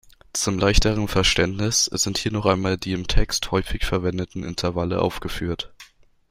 Zum leichteren Verständnis sind hier noch einmal die im Text häufig verwendeten Intervalle aufgeführt.